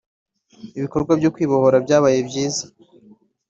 Ibikorwa byo kwibohora byabaye byiza